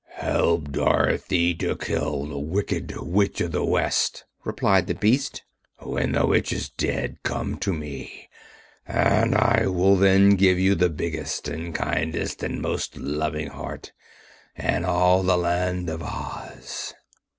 "Help Dorothy to kill the Wicked Witch of the West," replied the Beast. "When the Witch is dead, come to me, and I will then give you the biggest and kindest and most loving heart in all the Land of Oz."